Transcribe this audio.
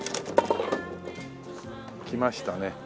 きましたね。